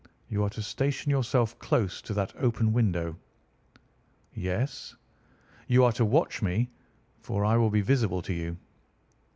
You are to station yourself close to that open window." "Yes." "You are to watch me, for I will be visible to you."